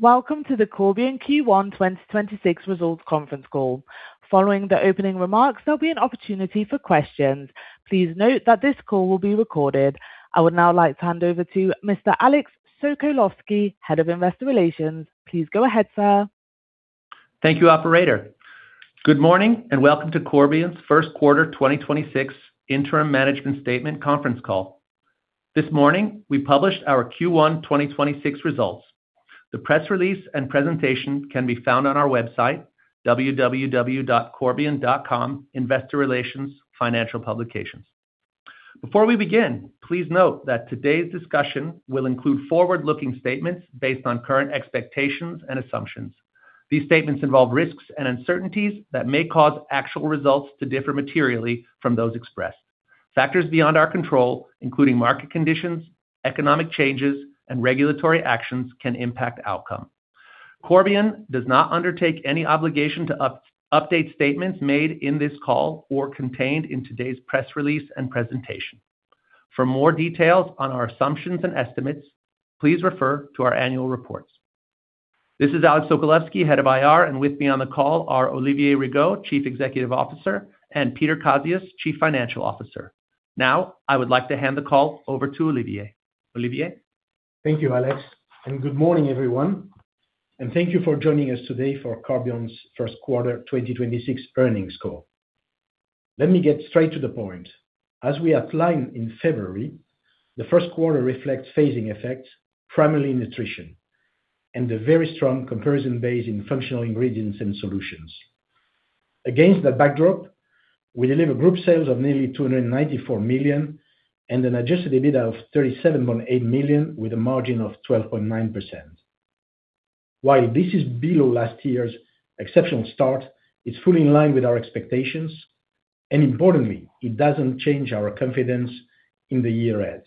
Welcome to the Corbion Q1 2026 Results Conference Call. Following the opening remarks, there'll be an opportunity for questions. Please note that this call will be recorded. I would now like to hand over to Mr. Alex Sokolowski, Head of Investor Relations. Please go ahead, sir. Thank you, operator. Good morning and welcome to Corbion's first quarter 2026 interim management statement conference call. This morning, we published our Q1 2026 results. The press release and presentation can be found on our website www.corbion.com, Investor Relations, Financial Publications. Before we begin, please note that today's discussion will include forward-looking statements based on current expectations and assumptions. These statements involve risks and uncertainties that may cause actual results to differ materially from those expressed. Factors beyond our control, including market conditions, economic changes, and regulatory actions, can impact outcome. Corbion does not undertake any obligation to update statements made in this call or contained in today's press release and presentation. For more details on our assumptions and estimates, please refer to our annual reports. This is Alex Sokolowski, Head of IR, and with me on the call are Olivier Rigaud, Chief Executive Officer, and Peter Kazius, Chief Financial Officer. Now, I would like to hand the call over to Olivier. Olivier? Thank you, Alex, and good morning, everyone, and thank you for joining us today for Corbion's first quarter 2026 earnings call. Let me get straight to the point. As we outlined in February, the first quarter reflects phasing effects, primarily Health & Nutrition and a very strong comparison base in Functional Ingredients & Solutions. Against that backdrop, we deliver group sales of nearly 294 million and an adjusted EBITDA of 37.8 million with a margin of 12.9%. While this is below last year's exceptional start, it's fully in line with our expectations, and importantly, it doesn't change our confidence in the year end.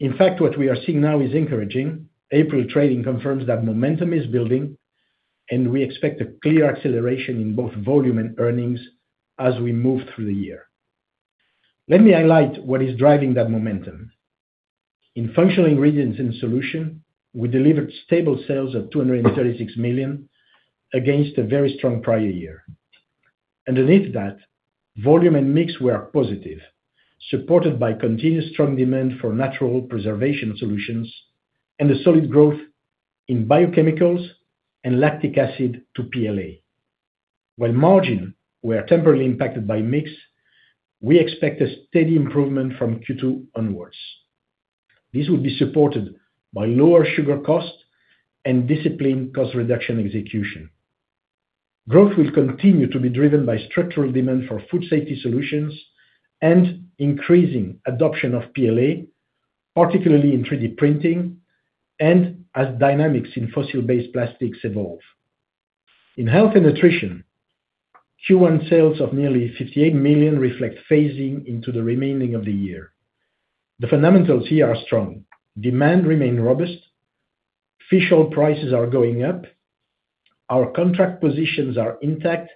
In fact, what we are seeing now is encouraging. April trading confirms that momentum is building, and we expect a clear acceleration in both volume and earnings as we move through the year. Let me highlight what is driving that momentum. In Functional Ingredients & Solutions, we delivered stable sales of 236 million against a very strong prior year. Underneath that, volume and mix were positive, supported by continuous strong demand for natural preservation solutions and the solid growth in biochemicals and lactic acid to PLA. While margins were temporarily impacted by mix, we expect a steady improvement from Q2 onwards. This will be supported by lower sugar costs and disciplined cost reduction execution. Growth will continue to be driven by structural demand for food safety solutions and increasing adoption of PLA, particularly in 3D printing and as dynamics in fossil-based plastics evolve. In Health & Nutrition, Q1 sales of nearly 58 million reflect phasing into the remainder of the year. The fundamentals here are strong. Demand remains robust. Fish oil prices are going up. Our contract positions are intact,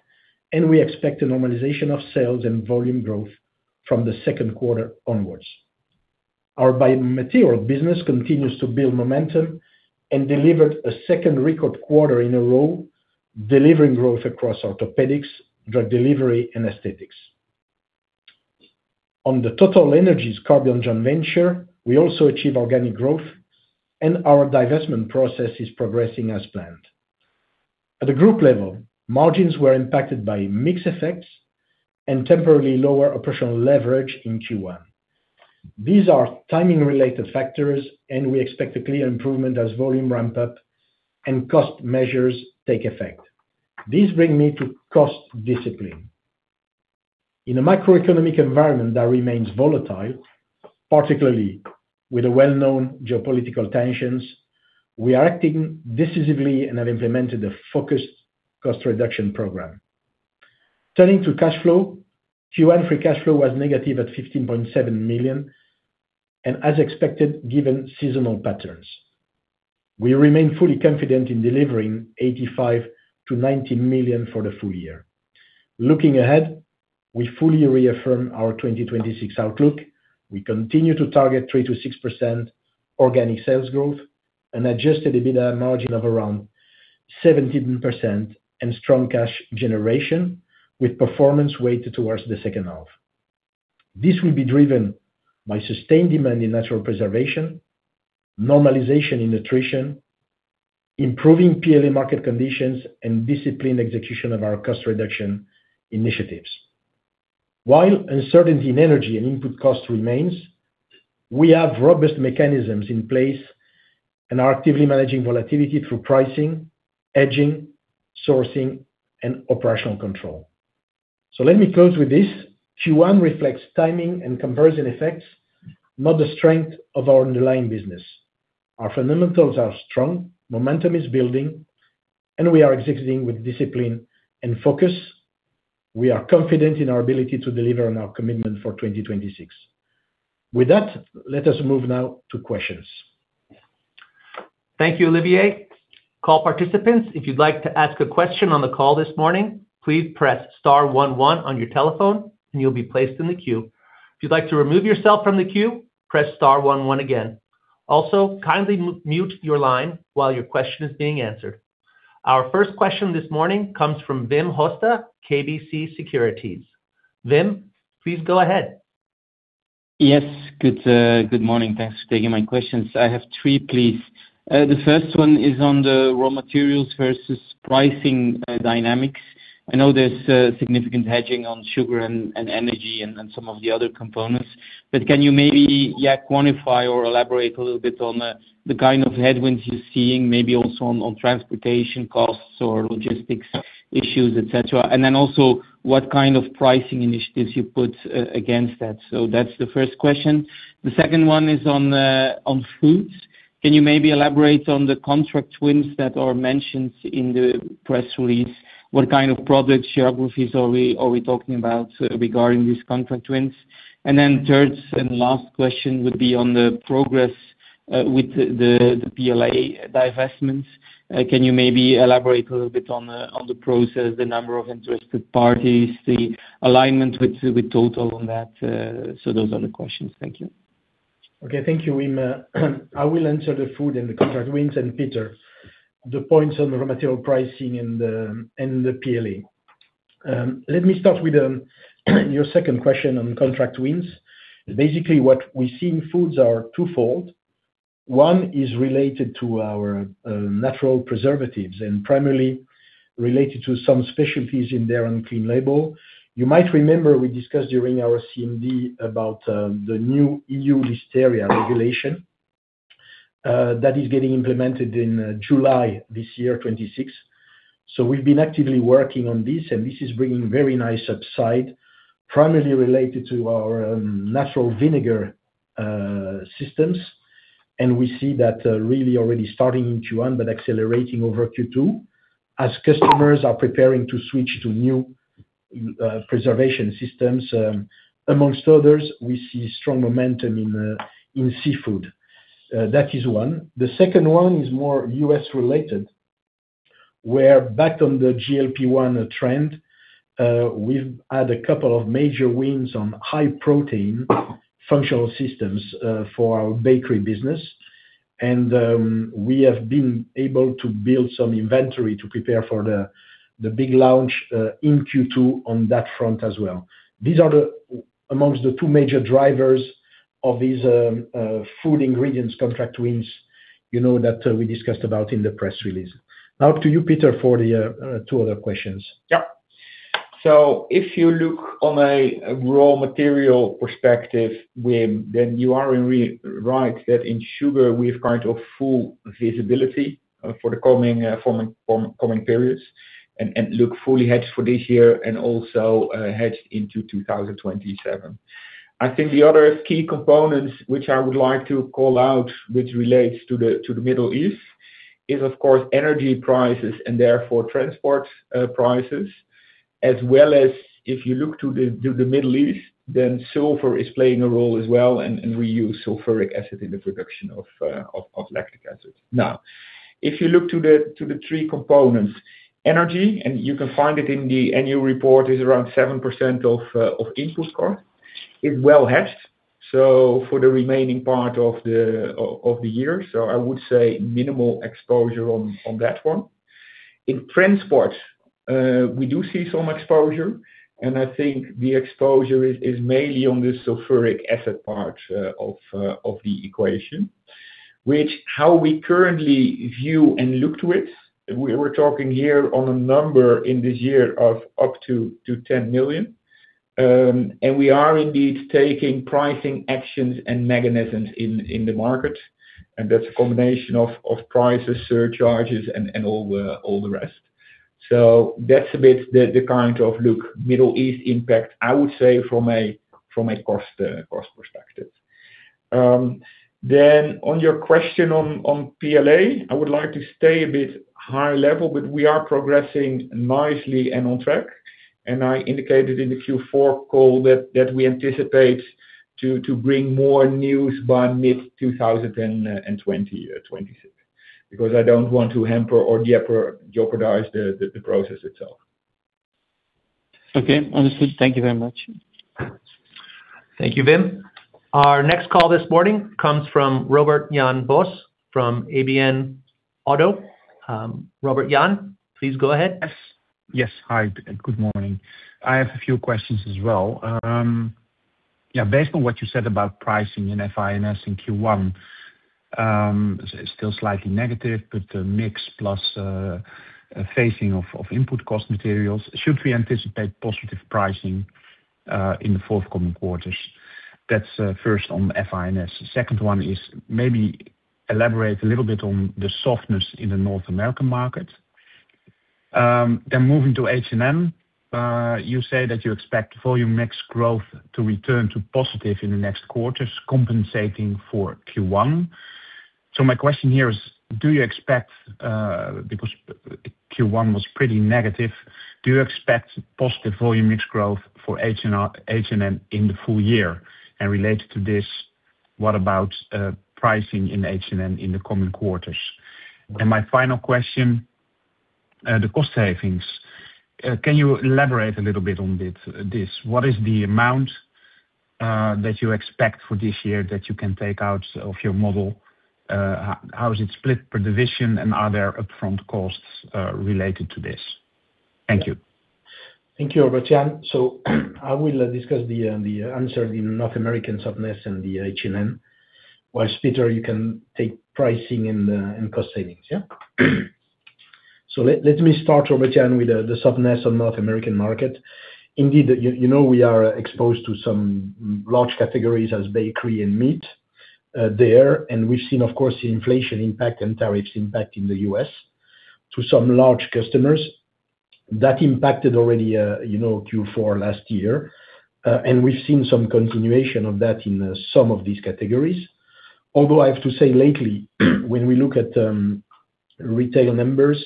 and we expect a normalization of sales and volume growth from the second quarter onwards. Our biomaterial business continues to build momentum and delivered a second record quarter in a row, delivering growth across orthopedics, drug delivery, and aesthetics. On the TotalEnergies Corbion joint venture, we also achieve organic growth, and our divestment process is progressing as planned. At the group level, margins were impacted by mix effects and temporarily lower operational leverage in Q1. These are timing-related factors, and we expect a clear improvement as volume ramp up and cost measures take effect. This brings me to cost discipline. In a macroeconomic environment that remains volatile, particularly with the well-known geopolitical tensions, we are acting decisively and have implemented a focused cost reduction program. Turning to cash flow, Q1 free cash flow was negative at 15.7 million, and as expected, given seasonal patterns. We remain fully confident in delivering 85 million-90 million for the full year. Looking ahead, we fully reaffirm our 2026 outlook. We continue to target 3%-6% organic sales growth, an adjusted EBITDA margin of around 17%, and strong cash generation, with performance weighted towards the second half. This will be driven by sustained demand in natural preservation, normalization in nutrition, improving PLA market conditions, and disciplined execution of our cost reduction initiatives. While uncertainty in energy and input cost remains, we have robust mechanisms in place and are actively managing volatility through pricing, hedging, sourcing, and operational control. Let me close with this. Q1 reflects timing and comparison effects, not the strength of our underlying business. Our fundamentals are strong, momentum is building, and we are executing with discipline and focus. We are confident in our ability to deliver on our commitment for 2026. With that, let us move now to questions. Thank you, Olivier. Call participants, if you'd like to ask a question on the call this morning, please press *11 on your telephone and you'll be placed in the queue. If you'd like to remove yourself from the queue, press star one one again. Also, kindly mute your line while your question is being answered. Our first question this morning comes from Wim Hoste, KBC Securities. Wim, please go ahead. Yes. Good morning. Thanks for taking my questions. I have three, please. The first one is on the raw materials versus pricing dynamics. I know there's significant hedging on sugar and energy and some of the other components, but can you maybe, yeah, quantify or elaborate a little bit on the kind of headwinds you're seeing, maybe also on transportation costs or logistics issues, et cetera. Then also what kind of pricing initiatives you put against that. That's the first question. The second one is on foods. Can you maybe elaborate on the contract wins that are mentioned in the press release? What kind of product geographies are we talking about regarding these contract wins? Then third and last question would be on the progress with the PLA divestments. Can you maybe elaborate a little bit on the process, the number of interested parties, the alignment with Total on that? Those are the questions. Thank you. Okay. Thank you, Wim. I will answer the food and the contract wins, and Peter, the points on the raw material pricing and the PLA. Let me start with your second question on contract wins. Basically what we see in foods are twofold. One is related to our natural preservatives and primarily related to some specialties in there on clean label. You might remember we discussed during our CMD about the new EU Listeria regulation that is getting implemented in 26 July this year. We've been actively working on this, and this is bringing very nice upside, primarily related to our natural vinegar systems. We see that really already starting in Q1 but accelerating over Q2 as customers are preparing to switch to new preservation systems. Among others, we see strong momentum in seafood. That is one. The second one is more U.S. related, where back on the GLP-1 trend, we've had a couple of major wins on high protein functional systems for our bakery business, and we have been able to build some inventory to prepare for the big launch in Q2 on that front as well. These are among the two major drivers of these food ingredients contract wins, you know, that we discussed about in the press release. Now to you, Peter, for the two other questions. Yeah. If you look on a raw material perspective, Wim, then you are right that in sugar we have kind of full visibility for the coming periods and look fully hedged for this year and also hedged into 2027. I think the other key components which I would like to call out, which relates to the Middle East, is of course energy prices and therefore transport prices, as well as if you look to the Middle East, then sulfur is playing a role as well, and we use sulfuric acid in the production of lactic acid. Now, if you look to the three components, energy, and you can find it in the annual report, is around 7% of input cost, is well hedged. For the remaining part of the year. I would say minimal exposure on that one. In transport, we do see some exposure, and I think the exposure is mainly on the sulfuric acid part of the equation, which, how we currently view and look to it, we're talking here on a number in this year of up to 10 million. We are indeed taking pricing actions and mechanisms in the market, and that's a combination of prices, surcharges and all the rest. That's a bit the current look at the Middle East impact, I would say from a cost perspective. On your question on PLA, I would like to stay a bit high-level, but we are progressing nicely and on track, and I indicated in the Q4 call that we anticipate to bring more news by mid-2026, because I don't want to hamper or jeopardize the process itself. Okay, understood. Thank you very much. Thank you, Wim. Our next call this morning comes from Robert Jan Vos from ABN AMRO. Robert Jan, please go ahead. Yes. Hi, good morning. I have a few questions as well. Yeah, based on what you said about pricing and FIS in Q1, still slightly negative, but the mix plus easing of input costs, should we anticipate positive pricing in the forthcoming quarters? That's first on FIS. The second one is maybe elaborate a little bit on the softness in the North American market. Moving to H&N, you say that you expect volume mix growth to return to positive in the next quarters, compensating for Q1. My question here is, because Q1 was pretty negative, do you expect positive volume mix growth for H&N in the full year? Related to this, what about pricing in H&N in the coming quarters? My final question is the cost savings. Can you elaborate a little bit on this? What is the amount that you expect for this year that you can take out of your model? How is it split per division and are there upfront costs related to this? Thank you. Thank you, Robert Jan. I will discuss the answer in North American softness and the H1, while Peter, you can take pricing and cost savings, yeah? Let me start, Robert Jan, with the softness on North American market. Indeed, you know we are exposed to some large categories as bakery and meat there, and we've seen, of course, the inflation impact and tariffs impact in the U.S. to some large customers. That impacted already Q4 last year. We've seen some continuation of that in some of these categories. Although I have to say lately, when we look at retail numbers,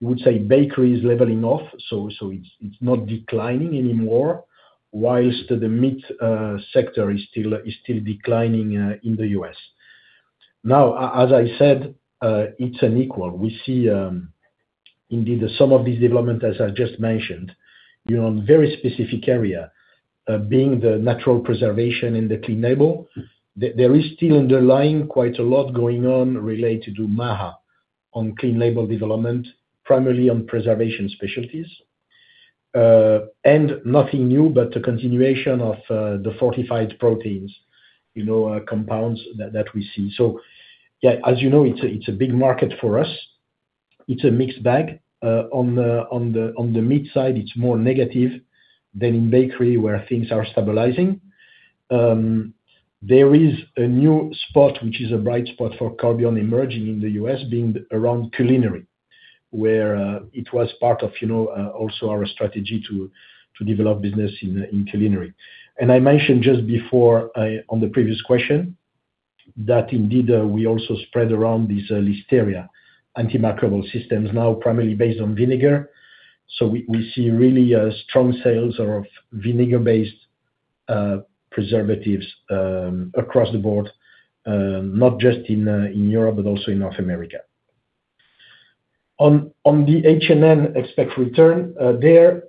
you would say bakery is leveling off, so it's not declining anymore, while the meat sector is still declining in the U.S. Now, as I said, it's unequal. We see indeed some of these development, as I just mentioned, on very specific area, being the natural preservation in the clean label. There is still underlying quite a lot going on related to MAHA on clean label development, primarily on preservation specialties. Nothing new, but the continuation of the fortified proteins, you know, compounds that we see. Yeah, as you know, it's a big market for us. It's a mixed bag. On the meat side, it's more negative than in bakery where things are stabilizing. There is a new spot, which is a bright spot for Corbion emerging in the U.S. being around culinary, where it was part of also our strategy to develop business in culinary. I mentioned just before on the previous question, that indeed we also spread around these Listeria antimicrobial systems, now primarily based on vinegar. We see really strong sales of vinegar-based preservatives across the board, not just in Europe, but also in North America. On the H&N expected return, there,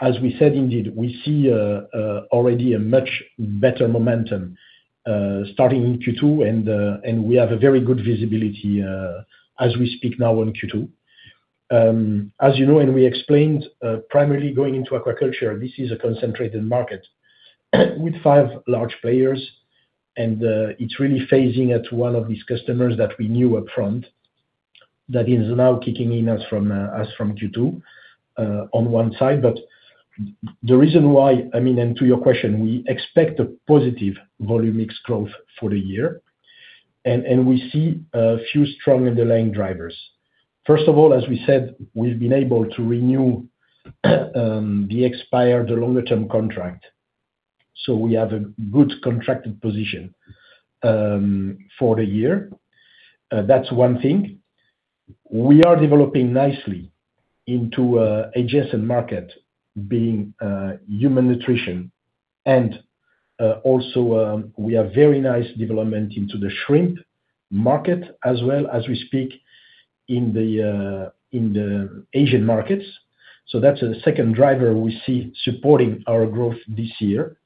as we said, indeed, we see already a much better momentum, starting in Q2, and we have a very good visibility, as we speak now on Q2. As you know, and we explained, primarily going into aquaculture, this is a concentrated market with five large players. It's really phasing in at one of these customers that we knew upfront, that is now kicking in as from Q2, on one side. The reason why, and to your question, we expect a positive volume mix growth for the year, and we see a few strong underlying drivers. First of all, as we said, we've been able to renew the expired long-term contract. We have a good contracted position for the year. That's one thing. We are developing nicely into adjacent market, being human nutrition, and also, we have very nice development into the shrimp market as we speak in the Asian markets. That's a second driver we see supporting our growth this year.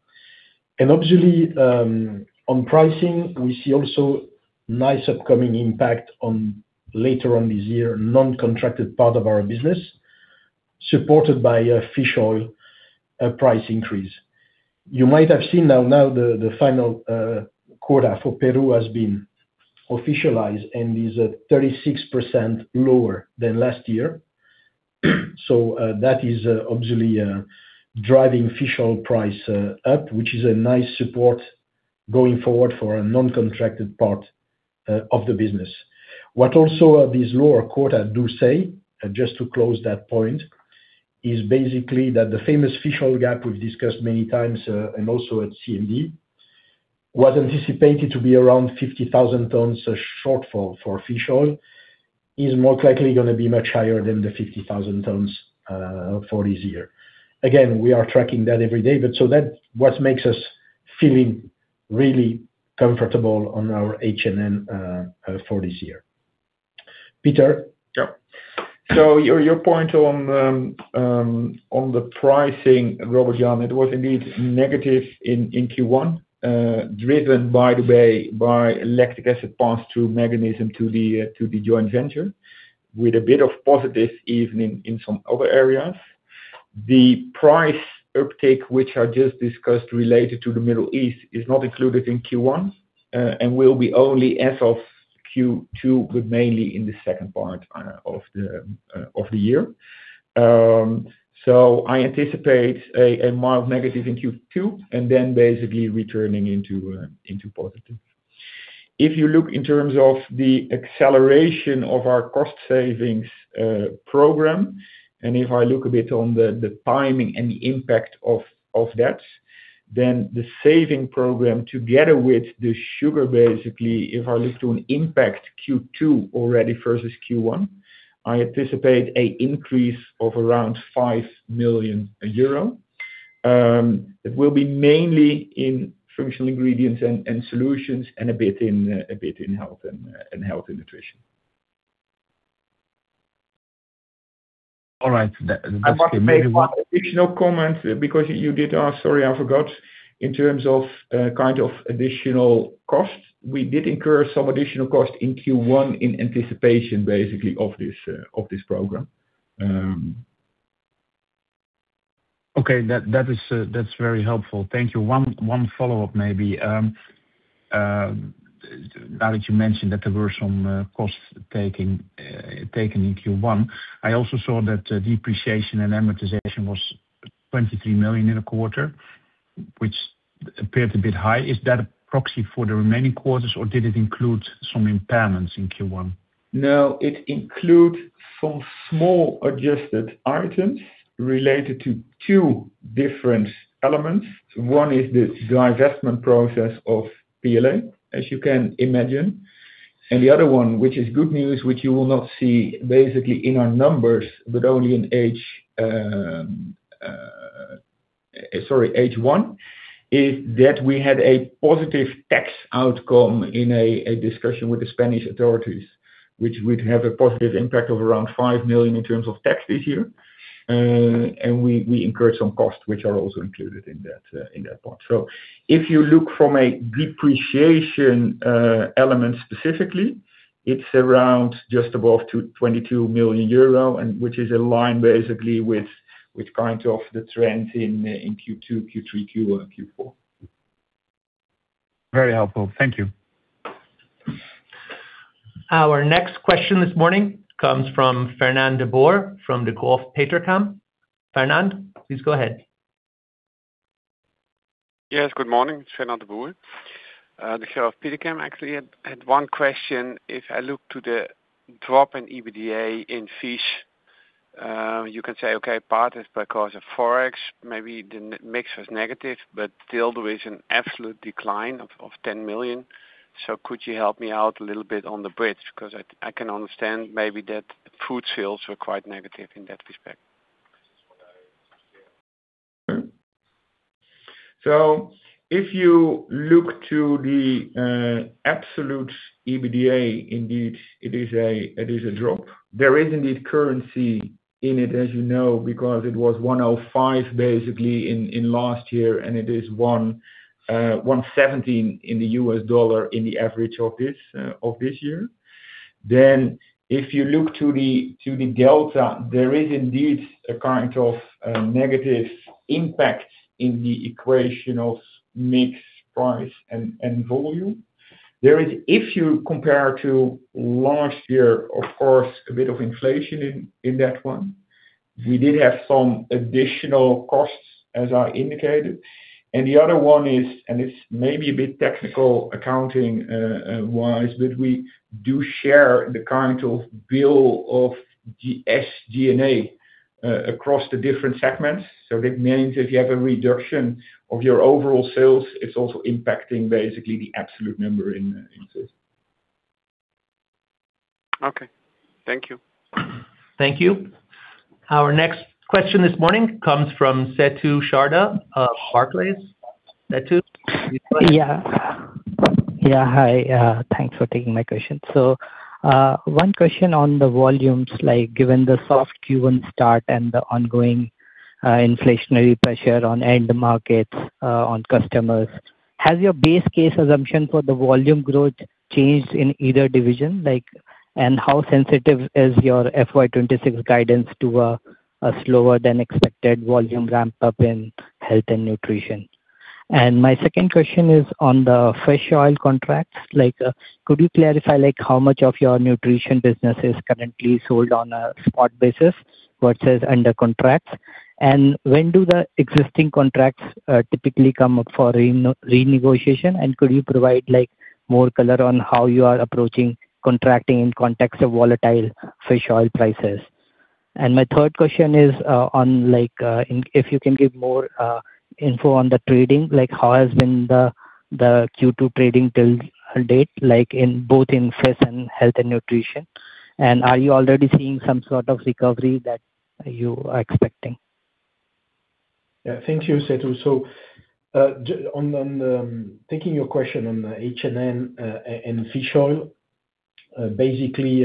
Obviously, on pricing, we see also nice upcoming impact later on this year, non-contracted part of our business, supported by fish oil price increase. You might have seen now the final quota for Peru has been officialized and is 36% lower than last year. That is obviously driving fish oil price up, which is a nice support going forward for a non-contracted part of the business. What these lower quotas also say, just to close that point, is basically that the famous fish oil gap we've discussed many times, and also at CMD, was anticipated to be around 50,000 tons shortfall for fish oil, is more likely gonna be much higher than the 50,000 tons for this year. We are tracking that every day, but so that's what makes us feel really comfortable on our H&N for this year. Peter? Yeah. Your point on the pricing, Robert Jan, it was indeed negative in Q1, driven by the way, by lactic acid pass-through mechanism to the joint venture, with a bit of positive offsetting in some other areas. The price uptick, which I just discussed related to the Middle East, is not included in Q1, and will be only as of Q2, but mainly in the second part of the year. I anticipate a mild negative in Q2, and then basically returning into positive. If you look in terms of the acceleration of our cost savings program, and if I look a bit on the timing and the impact of that, then the savings program together with the sugar, basically, if I look to an impact Q2 already versus Q1, I anticipate an increase of around 5 million euro. It will be mainly in Functional Ingredients & Solutions, and a bit in Health & Nutrition. All right. I must make one additional comment because you did ask, sorry, I forgot. In terms of additional costs, we did incur some additional costs in Q1 in anticipation, basically, of this program. Okay. That's very helpful. Thank you. One follow-up maybe. Now that you mentioned that there were some costs taken in Q1, I also saw that depreciation and amortization was 23 million in a quarter, which appeared a bit high. Is that a proxy for the remaining quarters, or did it include some impairments in Q1? No, it includes some small adjusted items related to two different elements. One is the divestment process of PLA, as you can imagine, and the other one, which is good news, which you will not see basically in our numbers, but only in H1, is that we had a positive tax outcome in a discussion with the Spanish authorities, which would have a positive impact of around 5 million in terms of tax this year. We incurred some costs, which are also included in that part. If you look from a depreciation element specifically, it's around just above 22 million euro, which is aligned basically with kind of the trend in Q2, Q3, Q1, Q4. Very helpful. Thank you. Our next question this morning comes from Fernand de Boer from Degroof Petercam. Fernand, please go ahead. Yes, good morning. It's Fernand de Boer, Degroof Petercam. Actually, I had one question. If I look to the drop in EBITDA in FIS, you can say, okay, part is because of Forex, maybe the mix was negative, but still, there is an absolute decline of 10 million. Could you help me out a little bit on the bridge? Because I can understand maybe that food sales were quite negative in that respect. If you look to the absolute EBITDA, indeed, it is a drop. There is indeed currency in it, as you know, because it was 105 basically in last year, and it is 117 in the U.S. dollar in the average of this year. If you look to the delta, there is indeed a kind of negative impact in the equation of mix, price, and volume. There is, if you compare to last year, of course, a bit of inflation in that one. We did have some additional costs as I indicated. The other one is, and it's maybe a bit technical accounting wise, but we do share the kind of bill of SG&A, across the different segments. That means if you have a reduction of your overall sales, it's also impacting basically the absolute number in sales. Okay. Thank you. Thank you. Our next question this morning comes from Setu Sharda of Barclays. Setu, please go ahead. Yeah. Hi. Thanks for taking my question. One question on the volumes, given the soft Q1 start and the ongoing inflationary pressure on end markets, on customers, has your base case assumption for the volume growth changed in either division? And how sensitive is your FY 2026 guidance to a slower than expected volume ramp-up in Health & Nutrition? And my second question is on the fish oil contracts. Could you clarify how much of your nutrition business is currently sold on a spot basis versus under contracts? And when do the existing contracts typically come up for renegotiation? And could you provide more color on how you are approaching contracting in context of volatile fish oil prices? And my third question is if you can give more info on the trading, how has been the Q2 trading till date, both in FIS and Health & Nutrition? Are you already seeing some sort of recovery that you are expecting? Yeah. Thank you, Setu. Taking your question on H&N, and fish oil. Basically,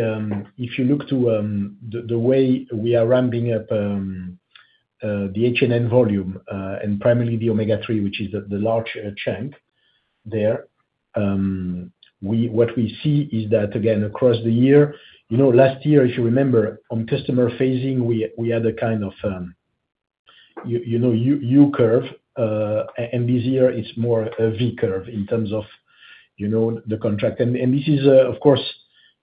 if you look to the way we are ramping up the H&N volume, and primarily the omega-3, which is the larger chunk there. What we see is that again, across the year. Last year, if you remember, on customer phasing, we had a kind of U curve, and this year it's more a V curve in terms of the contract. This is, of course,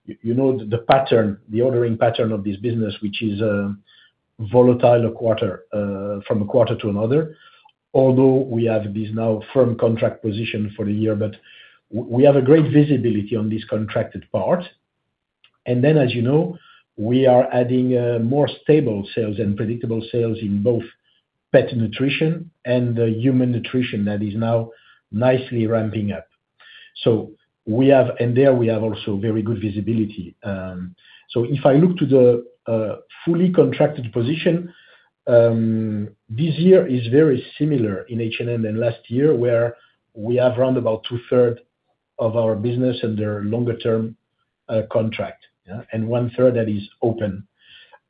the ordering pattern of this business, which is volatile from a quarter to another, although we have this now firm contract position for the year. We have a great visibility on this contracted part. As you know, we are adding more stable sales and predictable sales in both pet nutrition and the human nutrition that is now nicely ramping up. We have, and there we have also very good visibility. If I look to the fully contracted position, this year is very similar in Health & Nutrition to last year, where we have around about two-thirds of our business under longer-term contract, yeah, and one-third that is open.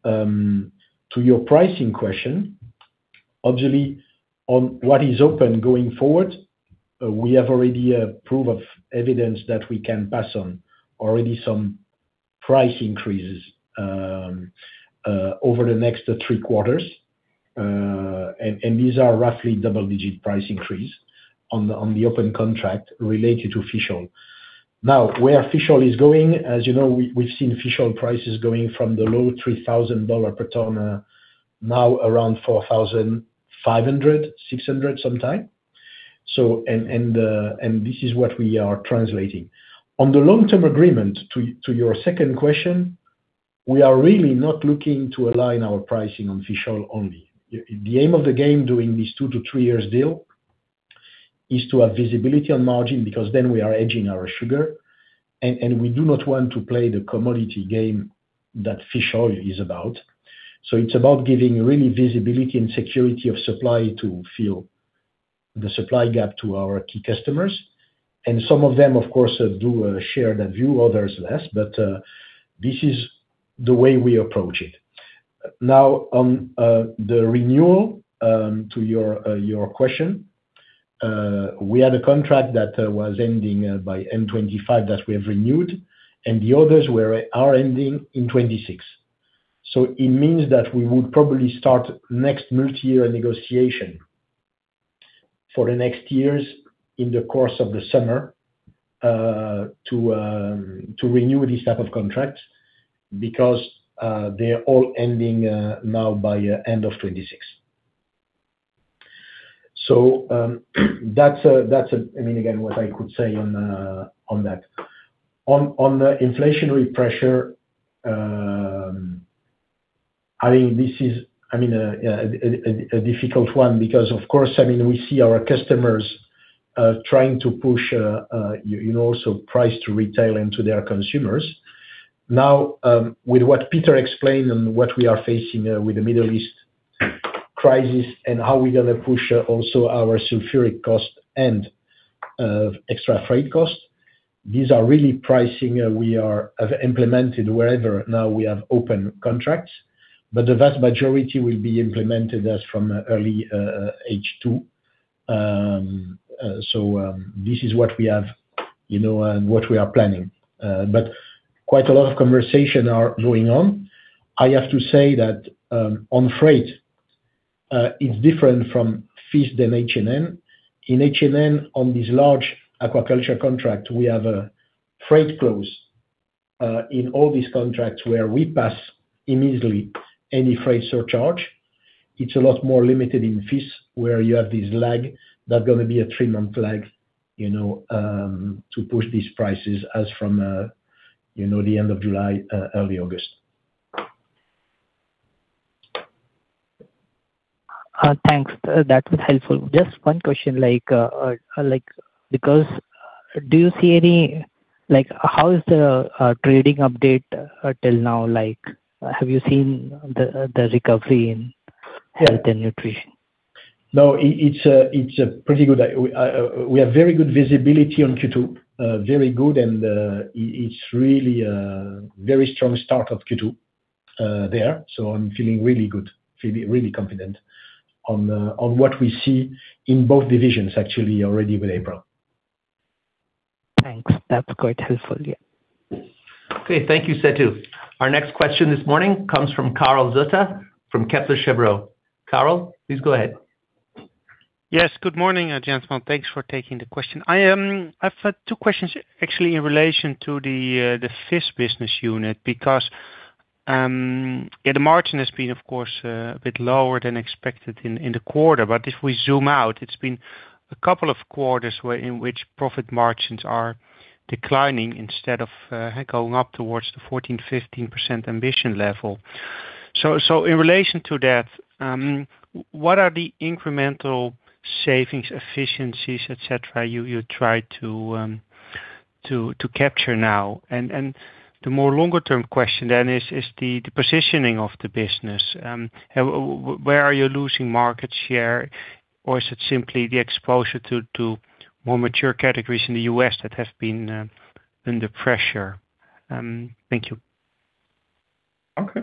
To your pricing question, obviously, on what is open going forward, we have already a proof of evidence that we can pass on already some price increases over the next three quarters. These are roughly double-digit price increases on the open contract related to fish oil. Where fish oil is going, as you know, we've seen fish oil prices going from the low $3,000 per ton, now around $4,500-$4,600 sometimes. This is what we are translating. On the long-term agreement, to your second question, we are really not looking to align our pricing on fish oil only. The aim of the game doing this 2-3 years deal is to have visibility on margin, because then we are hedging our sugar, and we do not want to play the commodity game that fish oil is about. It's about giving really visibility and security of supply to fill the supply gap to our key customers. Some of them, of course, do share that view, others less. This is the way we approach it. Now, on the renewal, to your question, we had a contract that was ending by end 2025 that we have renewed, and the others are ending in 2026. It means that we would probably start next multi-year negotiation for the next years in the course of the summer, to renew this type of contract because they're all ending now by end of 2026. That's again what I could say on that. On the inflationary pressure, this is a difficult one because, of course, we see our customers trying to push also price to retail and to their consumers. Now, with what Peter explained and what we are facing with the Middle East crisis and how we're going to push also our sulfuric cost and extra freight costs, these are really pricing we have implemented wherever now we have open contracts. The vast majority will be implemented as from early H2. This is what we have and what we are planning. Quite a lot of conversation are going on. I have to say that, on freight, it's different from FIS than H&N. In H&N, on this large aquaculture contract, we have a freight clause in all these contracts where we pass immediately any freight surcharge. It's a lot more limited in FIS where you have this lag. There's going to be a 3-month lag to push these prices as from the end of July, early August. Thanks. That was helpful. Just one question, how is the trading update till now? Have you seen the recovery in Health & Nutrition? No, it's pretty good. We have very good visibility on Q2. Very good, and it's really a very strong start of Q2 there. I'm feeling really good, feeling really confident on what we see in both divisions actually already with April. Thanks. That's quite helpful. Yeah. Okay. Thank you, Setu. Our next question this morning comes from Karel Zoete from Kepler Cheuvreux. Karel, please go ahead. Yes. Good morning, gentlemen. Thanks for taking the question. I've had two questions actually in relation to the FIS business unit because the margin has been, of course, a bit lower than expected in the quarter. If we zoom out, it's been a couple of quarters in which profit margins are declining instead of going up towards the 14%-15% ambition level. In relation to that, what are the incremental savings efficiencies, et cetera, you try to capture now? The more longer-term question then is the positioning of the business. Where are you losing market share? Or is it simply the exposure to more mature categories in the U.S. that have been under pressure? Thank you. Okay.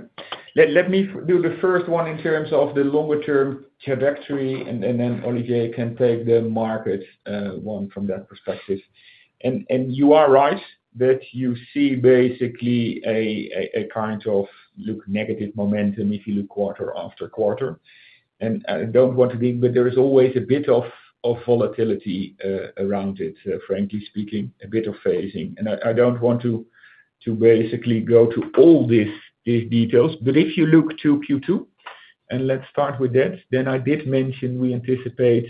Let me do the first one in terms of the longer term trajectory, and then Olivier can take the market one from that perspective. You are right that you see basically a kind of negative momentum if you look quarter after quarter. I don't want to be, but there is always a bit of volatility around it, frankly speaking, a bit of phasing. I don't want to basically go to all these details, but if you look to Q2, and let's start with that, then I did mention we anticipate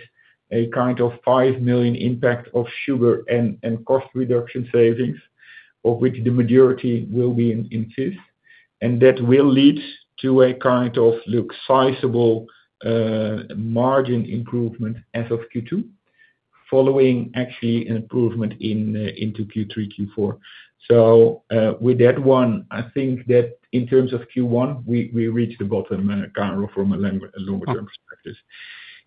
a kind of 5 million impact of sugar and cost reduction savings. Of which the majority will be in FIS, and that will lead to a kind of sizeable margin improvement as of Q2, following actually an improvement into Q3, Q4. With that one, I think that in terms of Q1, we reached the bottom from a longer term perspective.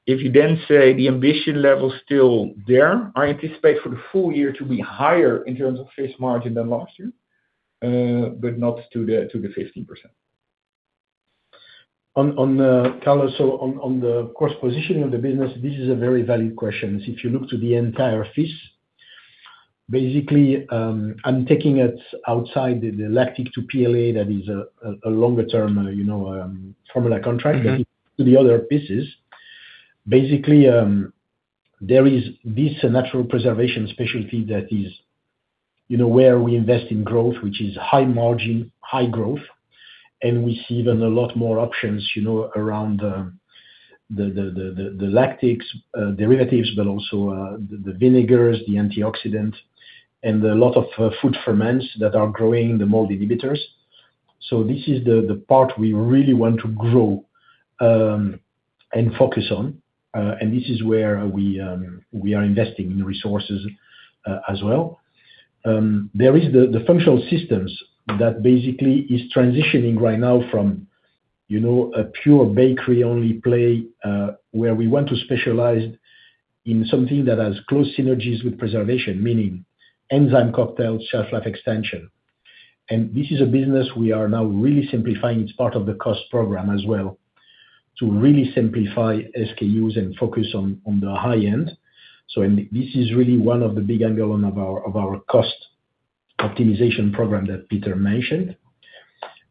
If you then say the ambition level's still there, I anticipate for the full year to be higher in terms of FIS margin than last year, but not to the 15%. Karel, on the core positioning of the business, this is a very valid question. If you look to the entire FIS, basically, I'm taking it outside the lactic to PLA that is a longer term formula contract. If you look to the other pieces, basically, there is this natural preservation specialty that is where we invest in growth, which is high margin, high growth, and we see even a lot more options around the lactic derivatives, but also the vinegars, the antioxidant, and a lot of food ferments that are growing the mold inhibitors. This is the part we really want to grow and focus on. This is where we are investing in resources, as well. There is the functional systems that basically is transitioning right now from a pure bakery-only play, where we want to specialize in something that has close synergies with preservation, meaning enzyme cocktail, shelf life extension. This is a business we are now really simplifying. It's part of the cost program as well to really simplify SKU's and focus on the high end. This is really one of the big angles on our cost optimization program that Peter mentioned.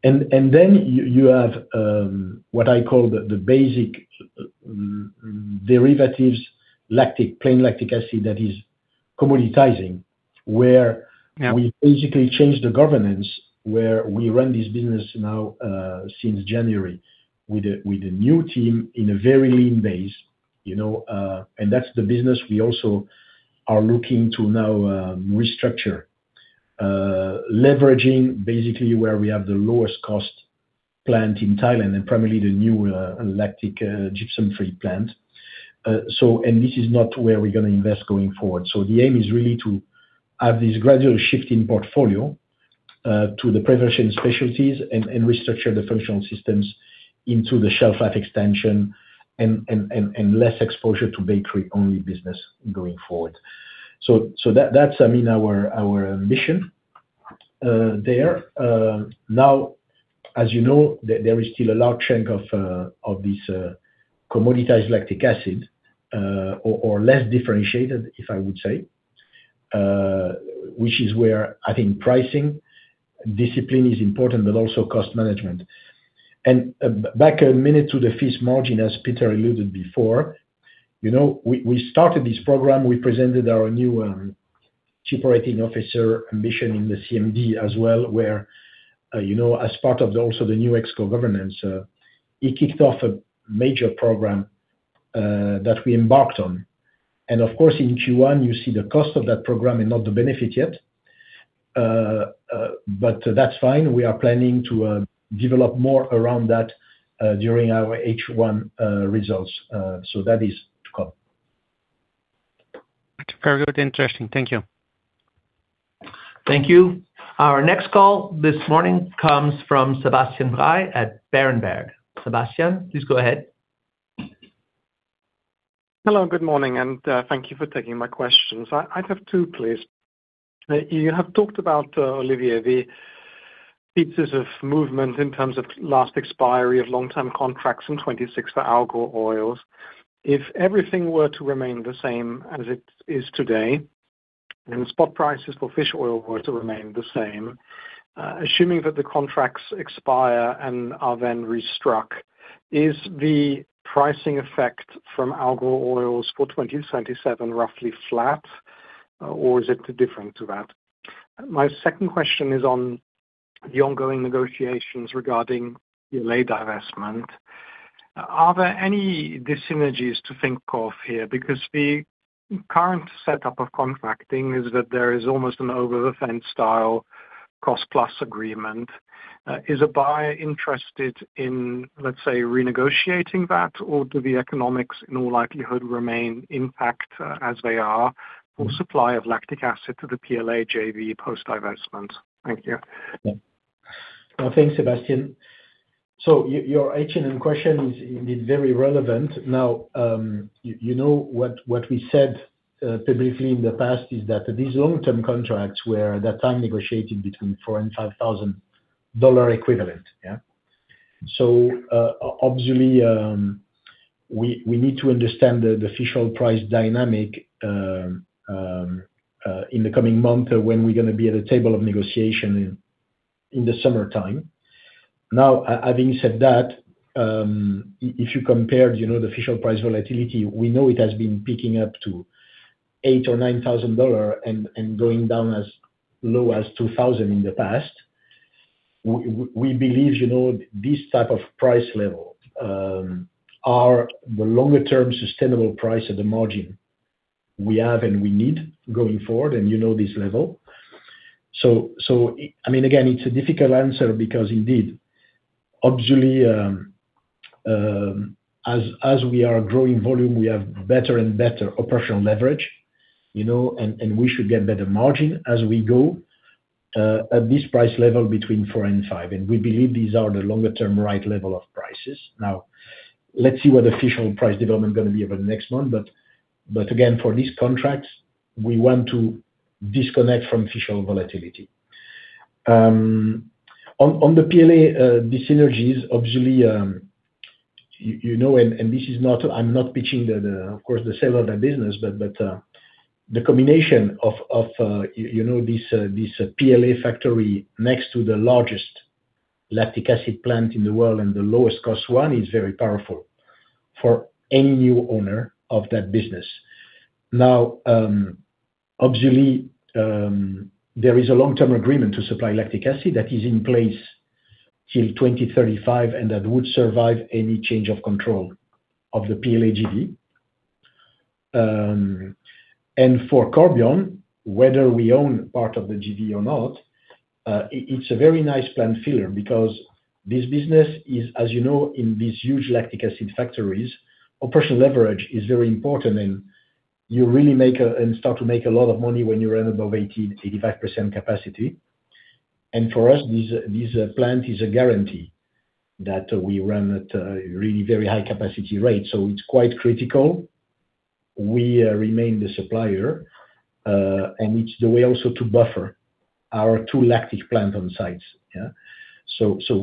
Then you have what I call the basic derivatives, plain lactic acid that is commoditizing, where. Yeah We basically change the governance, where we run this business now, since January, with a new team in a very lean base. That's the business we also are looking to now restructure, leveraging basically where we have the lowest cost plant in Thailand, and primarily the new lactic gypsum-free plant. This is not where we're going to invest going forward. The aim is really to have this gradual shift in portfolio to the preservation specialties and restructure the functional systems into the shelf life extension and less exposure to bakery-only business going forward. That's our ambition there. Now, as you know, there is still a large chunk of this commoditized lactic acid, or less differentiated, if I would say, which is where I think pricing discipline is important, but also cost management. Back a minute to the FIS margin, as Peter alluded before. We started this program. We presented our new Chief Operating Officer ambition in the CMD as well, where, as part of also the new Exco governance, he kicked off a major program that we embarked on. Of course, in Q1, you see the cost of that program and not the benefit yet. That's fine. We are planning to develop more around that, during our H1 results. That is to come. Very good. Interesting. Thank you. Thank you. Our next call this morning comes from Sebastian Bray at Berenberg. Sebastian, please go ahead. Hello, good morning, and thank you for taking my questions. I'd have two, please. You have talked about, Olivier, the pieces of movement in terms of last expiry of long-term contracts in 2026 for algal oils. If everything were to remain the same as it is today, and spot prices for fish oil were to remain the same, assuming that the contracts expire and are then re-struck, is the pricing effect from algal oils for 2027 roughly flat, or is it different to that? My second question is on the ongoing negotiations regarding your PLA divestment. Are there any dyssynergies to think of here? Because the current setup of contracting is that there is almost an over-the-fence style cost-plus agreement. Is a buyer interested in, let's say, renegotiating that, or do the economics, in all likelihood, remain intact as they are for supply of lactic acid to the PLA JV post divestment? Thank you. Well, thanks, Sebastian. Your Health & Nutrition question is very relevant. Now, you know what we said publicly in the past is that these long-term contracts were, at that time, negotiated between $4,000-$5,000 equivalent. Yeah. Obviously, we need to understand the official price dynamic in the coming month when we're going to be at a table of negotiation in the summertime. Now, having said that, if you compared the official price volatility, we know it has been picking up to $8,000 or $9,000 and going down as low as $2,000 in the past. We believe this type of price level are the longer-term sustainable price of the margin we have and we need going forward, and you know this level. Again, it's a difficult answer because indeed, obviously, as we are growing volume, we have better and better operational leverage, and we should get better margin as we go at this price level between 4 and 5. We believe these are the longer-term right level of prices. Now, let's see what the official price development going to be over the next month, but again, for these contracts, we want to disconnect from official volatility. On the PLA dis-synergies, obviously, and I'm not pitching, of course, the sale of that business, but the combination of this PLA factory next to the largest lactic acid plant in the world and the lowest cost one is very powerful for any new owner of that business. Now, obviously, there is a long-term agreement to supply lactic acid that is in place till 2035, and that would survive any change of control of the PLA JV. For Corbion, whether we own part of the JV or not, it's a very nice plant filler because this business is, as you know, in these huge lactic acid factories, operational leverage is very important, and you really start to make a lot of money when you run above 80%-85% capacity. For us, this plant is a guarantee that we run at a really very high capacity rate. It's quite critical we remain the supplier, and it's the way also to buffer our two lactic plants onsite. Yeah.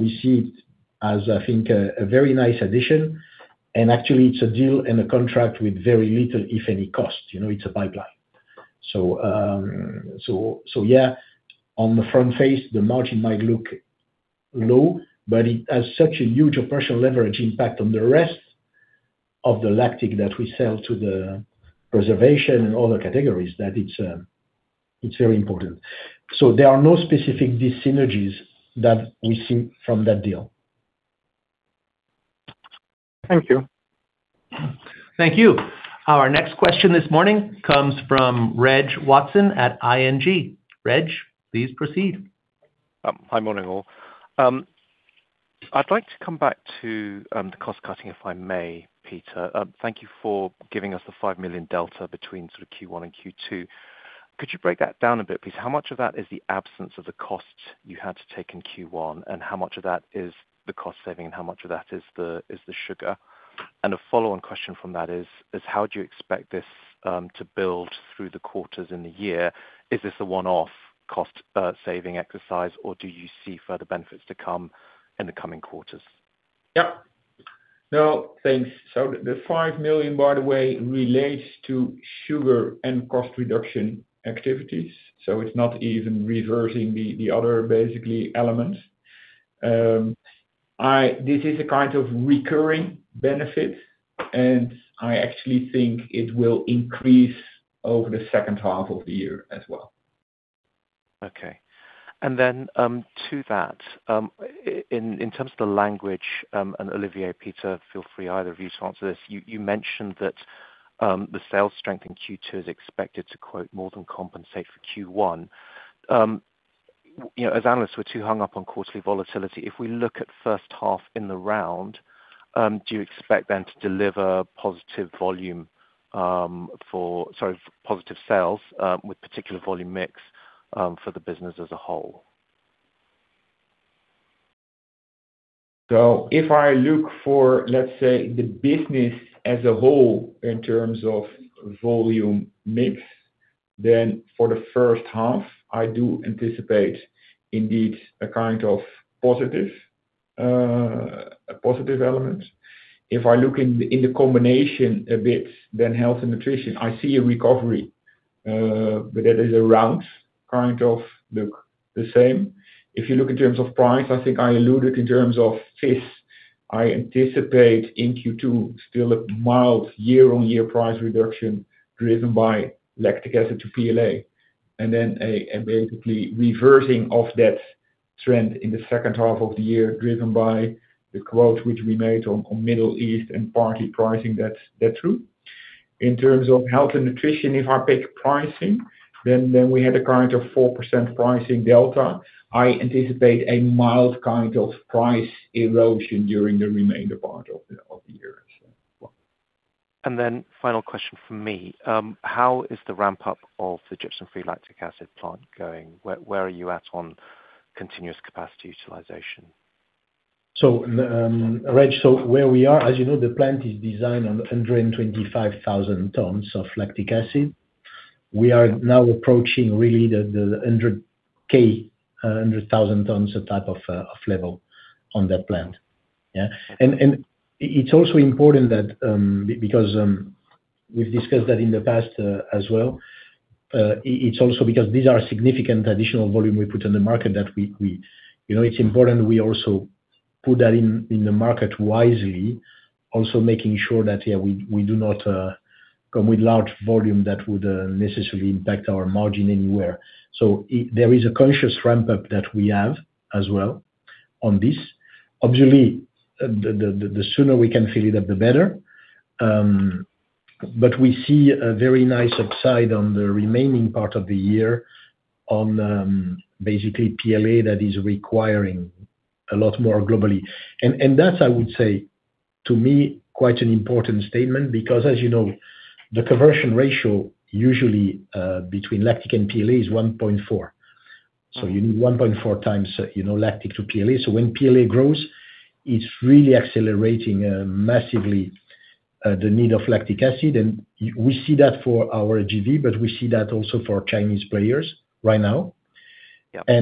We see it as, I think, a very nice addition, and actually it's a deal and a contract with very little, if any, cost. It's a pipeline. Yeah, on the front face, the margin might look low, but it has such a huge operational leverage impact on the rest of the lactic that we sell to the preservation and other categories that it's very important. There are no specific dis-synergies that we see from that deal. Thank you. Thank you. Our next question this morning comes from Reginald Watson at ING. Reg, please proceed. Hi, morning all. I'd like to come back to the cost cutting, if I may, Peter. Thank you for giving us the 5 million delta between Q1 and Q2. Could you break that down a bit, please? How much of that is the absence of the cost you had to take in Q1, and how much of that is the cost saving and how much of that is the sugar? A follow-on question from that is how do you expect this to build through the quarters in the year? Is this a one-off cost saving exercise, or do you see further benefits to come in the coming quarters? Yeah. No, thanks. The 5 million, by the way, relates to sugar and cost reduction activities, so it's not even reversing the other, basically, elements. This is a kind of recurring benefit, and I actually think it will increase over the second half of the year as well. Okay. To that, in terms of the language, and Olivier, Peter, feel free, either of you to answer this. You mentioned that the sales strength in Q2 is expected to, quote, "more than compensate for Q1." As analysts, we're too hung up on quarterly volatility. If we look at first half in the round, do you expect then to deliver positive sales, with particular volume mix, for the business as a whole? If I look for, let's say, the business as a whole in terms of volume mix, then for the first half, I do anticipate indeed a kind of positive element. If I look in the combination a bit, then Health & Nutrition, I see a recovery, but that is around kind of the same. If you look in terms of price, I think I alluded in terms of FIS, I anticipate in Q2 still a mild year-on-year price reduction driven by lactic acid to PLA, and then basically reversing of that trend in the second half of the year, driven by the quota which we made on Middle East and parity pricing, that's true. In terms of Health & Nutrition, if I pick pricing, then we had a kind of 4% pricing delta. I anticipate a mild kind of price erosion during the remainder part of the year as well. Final question from me, how is the ramp-up of the gypsum-free lactic acid plant going? Where are you at on continuous capacity utilization? Reg, where we are, as you know, the plant is designed on 125,000 tons of lactic acid. We are now approaching really the 100,000 tons type of level on that plant. Yeah. It's also important that, because we've discussed that in the past as well, it's also because these are significant additional volume we put on the market that it's important we also put that in the market wisely, also making sure that we do not come with large volume that would necessarily impact our margin anywhere. There is a conscious ramp-up that we have as well on this. Obviously, the sooner we can fill it up, the better. We see a very nice upside on the remaining part of the year on, basically PLA that is requiring a lot more globally. That's, I would say, to me, quite an important statement because as you know, the conversion ratio, usually between lactic and PLA is 1.4. You need 1.4 times lactic to PLA. When PLA grows, it's really accelerating massively the need of lactic acid. We see that for our JV, but we see that also for our Chinese players right now. Yeah.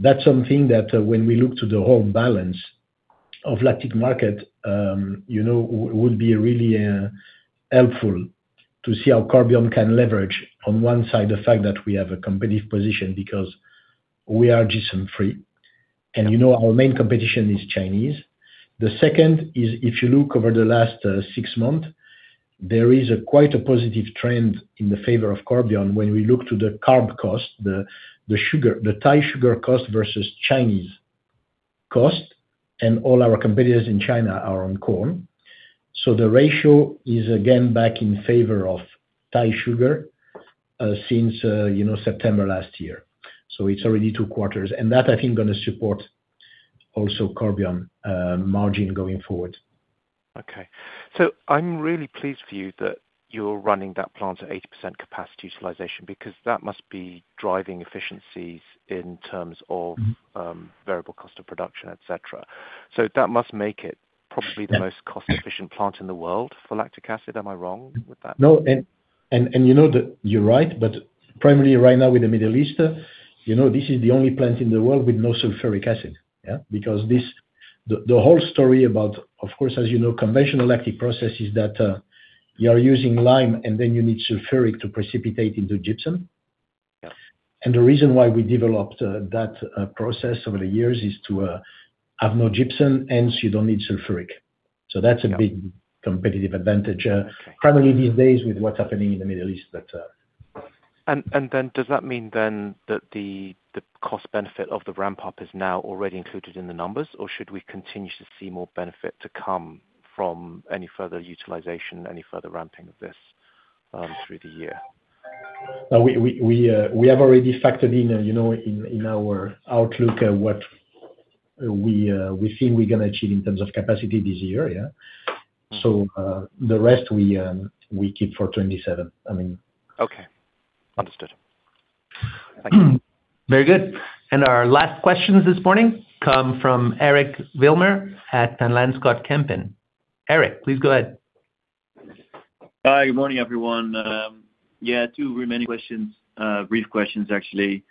That's something that when we look to the whole balance of lactic market, would be really helpful to see how Corbion can leverage, on one side, the fact that we have a competitive position because we are gypsum-free, and you know our main competition is Chinese. The second is, if you look over the last 6 months, there is quite a positive trend in favor of Corbion when we look to the raw cost, the Thai sugar cost versus Chinese cost, and all our competitors in China are on corn. So the ratio is again back in favor of Thai sugar, since September last year. So it's already two quarters. That I think gonna support also Corbion margin going forward. I'm really pleased for you that you're running that plant at 80% capacity utilization because that must be driving efficiencies in terms of. variable cost of production, et cetera. That must make it probably the most cost-efficient plant in the world for lactic acid. Am I wrong with that? No. You're right, but primarily right now with the Middle East, this is the only plant in the world with no sulfuric acid. Yeah? Because the whole story about, of course, as you know, conventional lactic process is that you are using lime and then you need sulfuric to precipitate into gypsum. Yeah. The reason why we developed that process over the years is to have no gypsum, hence you don't need sulfuric. That's a big competitive advantage, primarily these days with what's happening in the Middle East. Does that mean then that the cost benefit of the ramp-up is now already included in the numbers, or should we continue to see more benefit to come from any further utilization, any further ramping of this, through the year? No, we have already factored in our outlook what we think we're gonna achieve in terms of capacity this year. Yeah. The rest we keep for 2027. I mean. Okay. Understood. Very good. Our last questions this morning come from Eric Wilmer at Van Lanschot Kempen. Eric, please go ahead. Hi, good morning, everyone. Yeah, two remaining questions. Brief questions, actually.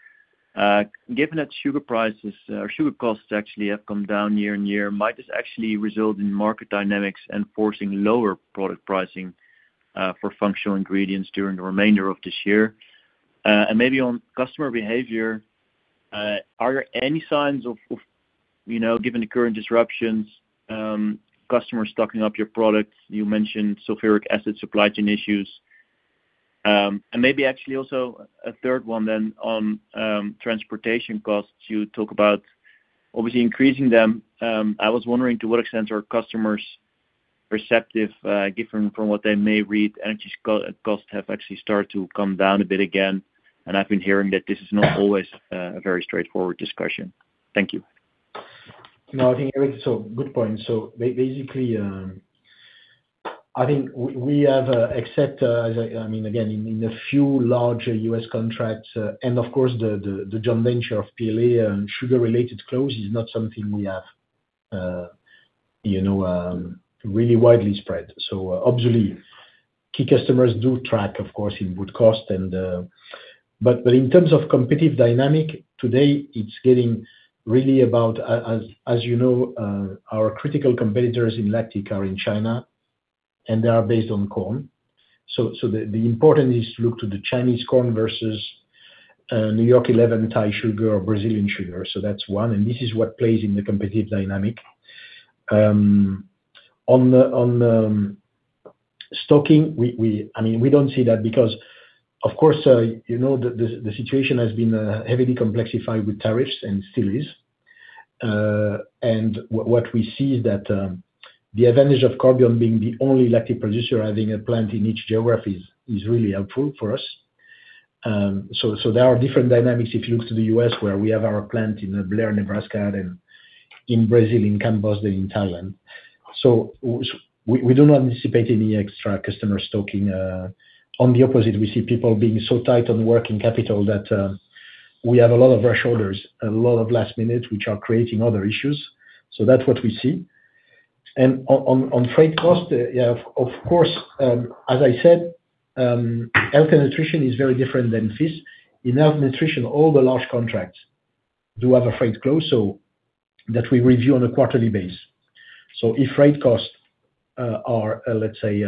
Given that sugar prices or sugar costs actually have come down year-on-year, might this actually result in market dynamics and forcing lower product pricing for functional ingredients during the remainder of this year? Maybe on customer behavior, are there any signs of, given the current disruptions, customers stocking up your products? You mentioned sulfuric acid supply chain issues. Maybe actually also a third one then on transportation costs. You talk about obviously increasing them. I was wondering to what extent are customers receptive, different from what they may read, energy costs have actually started to come down a bit again, and I've been hearing that this is not always a very straightforward discussion. Thank you. No, I think Eric. Good point. Basically, I think we have, except, I mean, again, in the few larger U.S. contracts, and of course, the joint venture of PLA and sugar-related costs is not something we have really widely spread. Obviously key customers do track, of course, input cost. But in terms of competitive dynamic, today, it's getting really about, as you know, our critical competitors in lactic are in China, and they are based on corn. The important is to look to the Chinese corn versus New York 11 white sugar or Brazilian sugar. That's one, and this is what plays in the competitive dynamic. On stocking, we don't see that because, of course, the situation has been heavily complexified with tariffs and still is. What we see is that the advantage of Corbion being the only lactic producer having a plant in each geography is really helpful for us. There are different dynamics if you look to the U.S. where we have our plant in Blair, Nebraska, and in Brazil, in Campos dos Goytacazes, in Thailand. We do not anticipate any extra customer stocking. On the opposite, we see people being so tight on working capital that we have a lot of rush orders, a lot of last minute, which are creating other issues. That's what we see. On freight cost, yeah, of course, as I said, Health & Nutrition is very different than feed. In Health & Nutrition, all the large contracts do have a freight clause, so that we review on a quarterly basis. If freight costs are, let's say,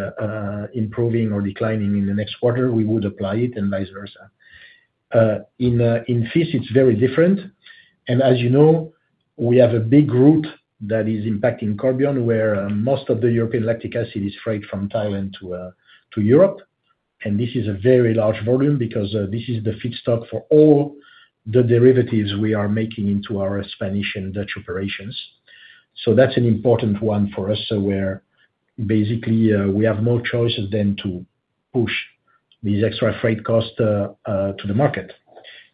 improving or declining in the next quarter, we would apply it and vice versa. In feed, it's very different. As you know, we have a big route that is impacting Corbion, where most of the European lactic acid is freight from Thailand to Europe. This is a very large volume because this is the feedstock for all the derivatives we are making in our Spanish and Dutch operations. That's an important one for us. Where basically we have no choice but to push these extra freight costs to the market.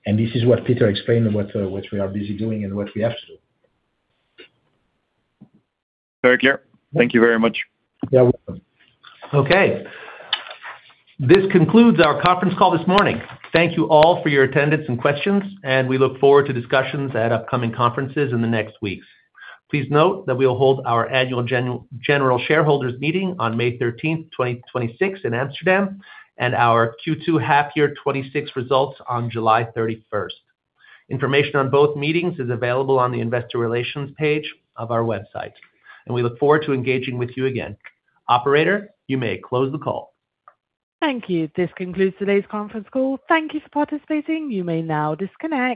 This is what Peter explained, what we are busy doing and what we have to do. Very clear. Thank you very much. You are welcome. Okay. This concludes our conference call this morning. Thank you all for your attendance and questions, and we look forward to discussions at upcoming conferences in the next weeks. Please note that we'll hold our annual general shareholders meeting on 13 May 2026 in Amsterdam, and our Q2 half year 2026 results on 31 July. Information on both meetings is available on the investor relations page of our website, and we look forward to engaging with you again. Operator, you may close the call. Thank you. This concludes today's conference call. Thank you for participating. You may now disconnect.